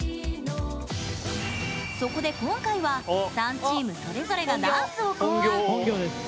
そこで今回は３チームそれぞれがダンスを考案。